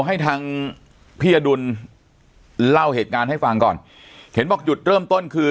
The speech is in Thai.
ให้ทางพี่อดุลเล่าเหตุการณ์ให้ฟังก่อนเห็นบอกจุดเริ่มต้นคือ